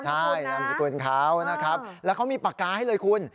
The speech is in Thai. ใช่นามสกุลเขานะครับแล้วเขามีปากกาให้เลยคุณ